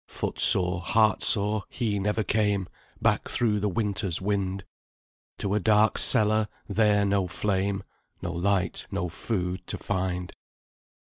Foot sore, heart sore, he never came Back through the winter's wind, To a dark cellar, there no flame, No light, no food, to find.